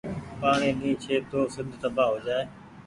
پآڻيٚ ني ڇي تو سند تبآه هوجآئي۔